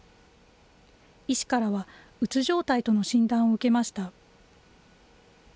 医師からはうつ状態との診断を受けました。